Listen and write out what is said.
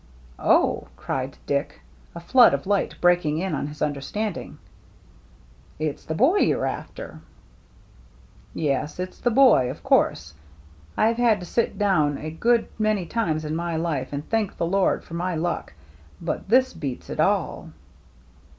" Oh," cried Dick, a flood of light breaking in on his understanding, " it's the boy you're after." " Yes, it's the boy, of course. I've had to sit down a good many times in my life and thank the Lord for my luck, but this beats it all."